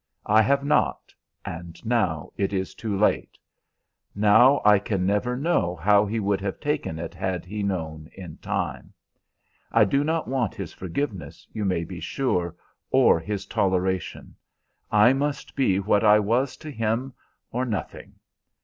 I have not, and now it is too late. Now I can never know how he would have taken it had he known in time. I do not want his forgiveness, you may be sure, or his toleration. I must be what I was to him or nothing.